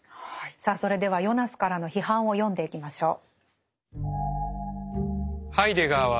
さあそれではヨナスからの批判を読んでいきましょう。